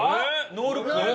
ノールック？